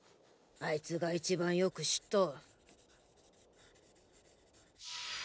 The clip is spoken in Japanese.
あいつが一番よく知っとる。